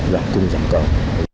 làm cung giảm cao